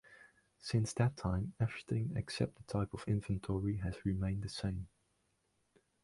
Since that time, everything except the type of inventory has remained the same.